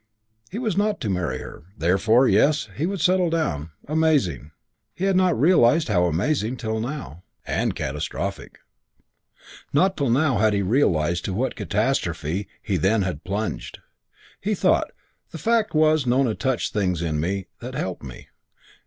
He was not to marry her; therefore, yes, he would settle down. Amazing. He had not realised how amazing till now. And catastrophic. Not till now had he realised to what catastrophe he then had plunged. He thought, "The fact was Nona touched things in me that helped me.